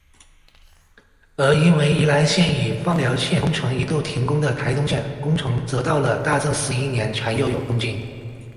而因为宜兰线与枋寮线工程一度停工的台东线工程则到了大正十一年才又有动静。